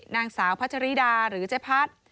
นางสาวพัชริดาหรือเจ๊พัด